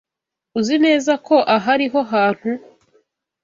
Uzi neza ko aha ariho hantu?